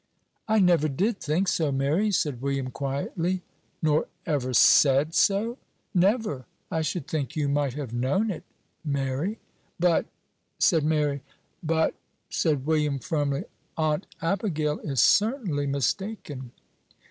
"I never did think so, Mary," said William, quietly. "Nor ever said so?" "Never. I should think you might have known it, Mary." "But " said Mary. "But," said William, firmly, "Aunt Abigail is certainly mistaken."